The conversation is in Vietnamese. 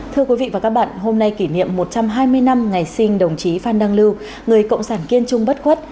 thưa quý vị và các bạn hôm nay kỷ niệm một trăm hai mươi năm ngày sinh đồng chí phan đăng lưu người cộng sản kiên trung bất khuất